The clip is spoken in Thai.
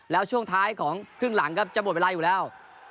แล้วช่วงท้ายของครึ่งหลังครับจะหมดเวลาอยู่แล้ว